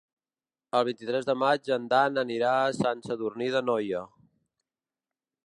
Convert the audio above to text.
El vint-i-tres de maig en Dan anirà a Sant Sadurní d'Anoia.